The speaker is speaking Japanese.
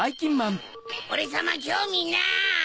オレさまきょうみない。